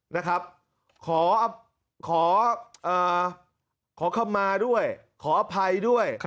นะครับขอคำมาด้วยขออภัยด้วย